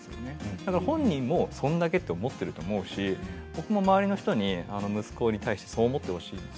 だから本人もそんだけと思っているともし僕も周りの人に息子に対してもそう思ってほしいです。